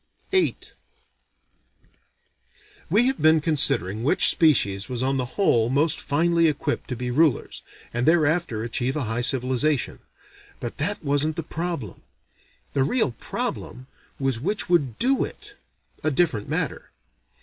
VIII We have been considering which species was on the whole most finely equipped to be rulers, and thereafter achieve a high civilization; but that wasn't the problem. The real problem was which would do it: a different matter.